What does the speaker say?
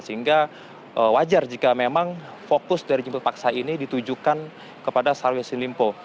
sehingga wajar jika memang fokus dari jemput paksa ini ditujukan kepada syahrul yassin limpo